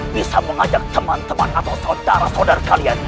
bisa mengajak teman teman atau saudara saudara kalian